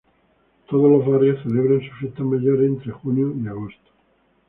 Todos los barrios celebran sus fiestas mayores entre junio y agosto.